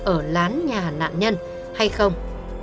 ở lán nhà nạn nhân hay không